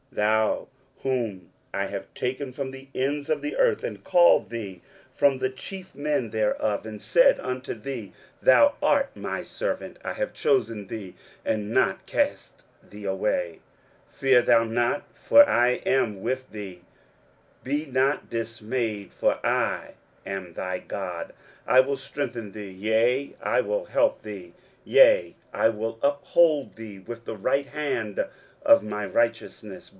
23:041:009 Thou whom I have taken from the ends of the earth, and called thee from the chief men thereof, and said unto thee, Thou art my servant; I have chosen thee, and not cast thee away. 23:041:010 Fear thou not; for I am with thee: be not dismayed; for I am thy God: I will strengthen thee; yea, I will help thee; yea, I will uphold thee with the right hand of my righteousness.